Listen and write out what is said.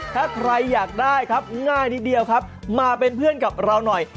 ถ้าใครอยากได้ครับง่ายนิดเดียวครับมาเป็นเพื่อนกับเราหน่อย